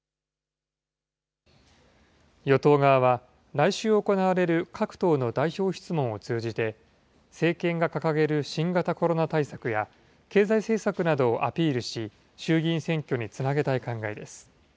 与党側は来週行われる各党の代表質問を通じて、政権が掲げる新型コロナ対策や、経済政策などをアピールし、衆議院選挙につなげたい考えです。